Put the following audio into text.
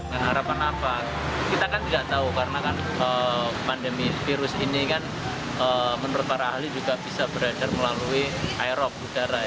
dengan harapan apa kita kan tidak tahu karena pandemi virus ini kan menurut para ahli juga bisa berada melalui aerobutara